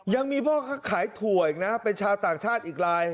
ยังมีพ่อค้าขายถั่วอีกนะเป็นชาวต่างชาติอีกลาย